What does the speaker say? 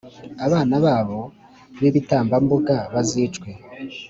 abana babo b’ibitambambuga bazicwe,